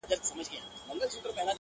څوك دي د جاناني كيسې نه كوي!